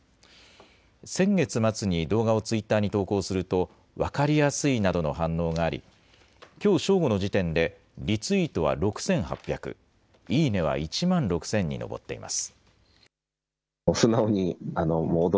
先月末に動画をツイッターに投稿すると、分かりやすいなどの反応があり、きょう正午の時点で、リツイートは６８００、いいねは１万６０００に上っています。